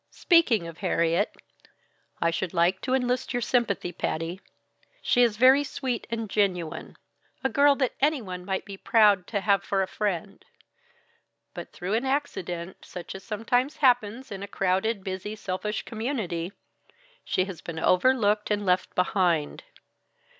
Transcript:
"Speaking of Harriet, I should like to enlist your sympathy, Patty. She is very sweet and genuine. A girl that anyone might be proud to have for a friend. But through an accident, such as sometimes happens in a crowded, busy, selfish community, she has been overlooked and left behind.